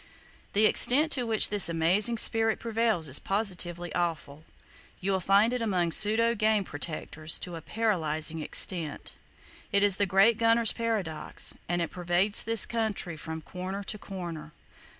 The extent to which this amazing spirit prevails is positively awful. You will find it among pseudo game protectors to a paralyzing extent! It is the great gunner's paradox, and it pervades this country from corner to corner.